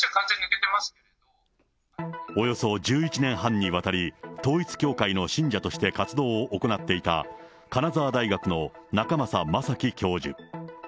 およそ１１年半にわたり、統一教会の信者として活動を行っていた、金沢大学の仲正昌樹教授。